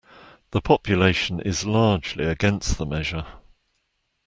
The population is largely against the measure.